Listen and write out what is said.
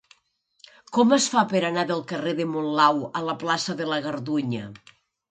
Com es fa per anar del carrer de Monlau a la plaça de la Gardunya?